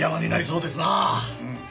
うん。